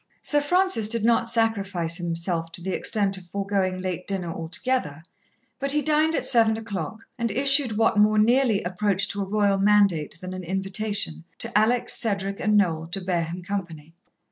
Sir Francis did not sacrifice himself to the extent of foregoing late dinner altogether, but he dined at seven o'clock, and issued what more nearly approached to a royal mandate than an invitation, to Alex, Cedric and Noel to bear him company.